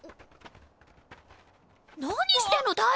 何してんの大吾！